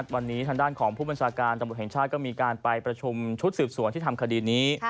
วันนี้ทางด้านของผู้บัญชาการตำรวจแห่งชาติก็มีการไปประชุมชุดสืบสวนที่ทำคดีนี้